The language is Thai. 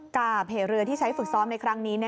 กับเหเรือที่ใช้ฝึกซ้อมในครั้งนี้